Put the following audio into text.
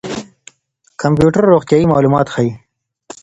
کمپيوټر روغتيايي معلومات ښيي.